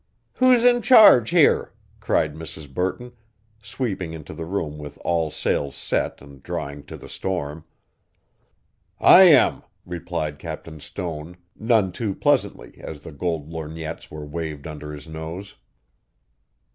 "Who's in charge here?" cried Mrs. Burton, sweeping into the room with all sails set and drawing to the storm. "I am," replied Captain Stone, none too pleasantly as the gold lorgnettes were waved under his nose.